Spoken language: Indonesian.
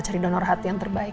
cari donor hati yang terbaik